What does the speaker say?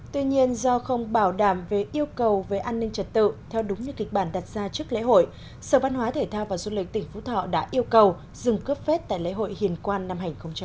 tuy nhiên do không bảo đảm về yêu cầu về an ninh trật tự theo đúng như kịch bản đặt ra trước lễ hội sở văn hóa thể thao và du lịch tỉnh phú thọ đã yêu cầu dừng cướp phết tại lễ hội hiền quan năm hai nghìn một mươi chín